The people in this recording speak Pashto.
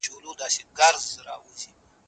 هغه په خپلو پښتو دودونو ډېره ولاړه نجلۍ وه.